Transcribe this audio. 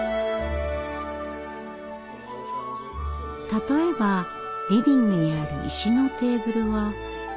例えばリビングにある石のテーブルは。